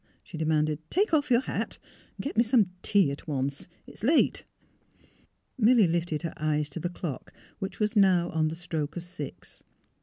she de manded. " Take off your hat and get me some tea at once. It is late." Milly lifted her eyes to the clock which was on the stroke of six.